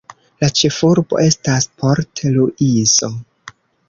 La ĉefurbo estas Port-Luiso.